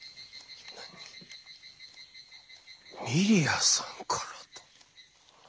ミリアさんからだ。